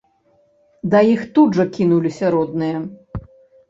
Да іх тут жа кінуліся родныя.